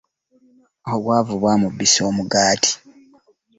Obwavu bwamubbisa omugaati.